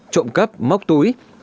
trộm cắp móc túi